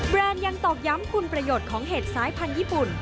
ยังตอกย้ำคุณประโยชน์ของเห็ดสายพันธุ์ญี่ปุ่น